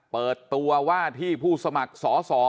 เปิดตัวว่าที่ผู้สมัครสอสอ